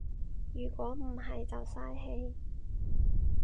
如果唔係就嘥氣